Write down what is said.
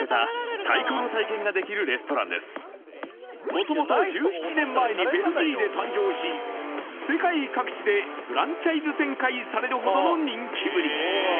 元々１７年前にベルギーで誕生し世界各地でフランチャイズ展開されるほどの人気ぶり